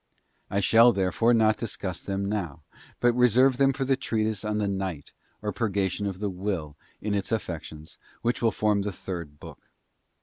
I shall therefore not discuss them now, but reserve them for the treatise on the Night, or Purgation of the Will in its affections, which will form the third book.